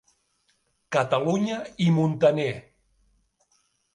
Catalunya i Muntaner.